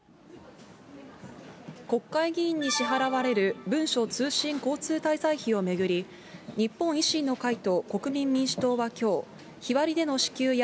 国会議員に支払われる文書通信交通滞在費を巡り、日本維新の会と国民民主党はきょう、日割りでの支給や、